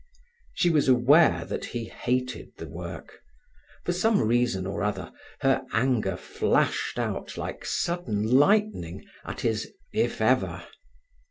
She was aware that he hated the work. For some reason or other her anger flashed out like sudden lightning at his "if ever".